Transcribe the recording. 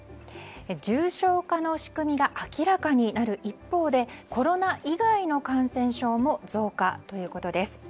重症化の仕組みが明らかになる一方でコロナ以外の感染症も増加ということです。